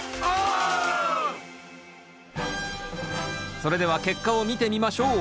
それでは結果を見てみましょう。